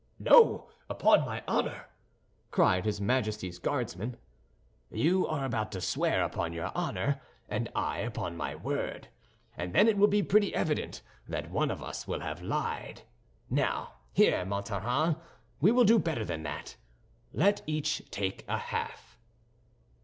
"No, upon my honor!" cried his Majesty's Guardsman. "You are about to swear upon your honor and I upon my word, and then it will be pretty evident that one of us will have lied. Now, here, Montaran, we will do better than that—let each take a half."